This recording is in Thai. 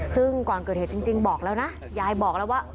ซึ่งก่อนเกิดเหตุจริงบอกแล้วนะยายบอกแล้วว่า